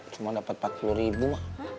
cuma dapet rp empat puluh mah